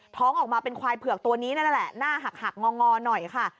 ออกมาเป็นควายเผือกตัวนี้นั่นแหละหน้าหักงอหน่อยค่ะ